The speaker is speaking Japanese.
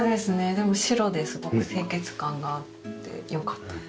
でも白ですごく清潔感があってよかったです。